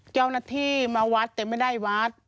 เจ้าหน้าที่มาวัดแต่ไม่ได้วัด